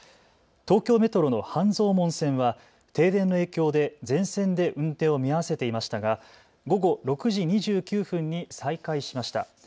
東京メトロの半蔵門線は停電の影響で全線で運転を見合わせていましたが午後６時２９分に再開しました。